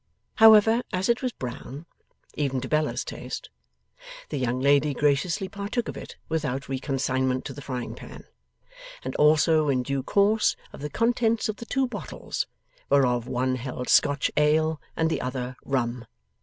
However, as it was brown, even to Bella's taste, the young lady graciously partook of it without reconsignment to the frying pan, and also, in due course, of the contents of the two bottles: whereof one held Scotch ale and the other rum.